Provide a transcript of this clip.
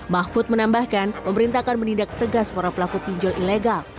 mahfud menambahkan pemerintah akan menindak tegas para pelaku pinjol ilegal